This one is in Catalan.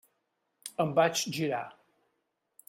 Em vaig girar.